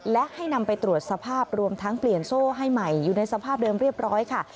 และให้นำไปตรวจสภาพรวมทั้งเปลี่ยนโซ่ให้ใหม่อยู่ในสภาพเดิมเรียบร้อยค่ะ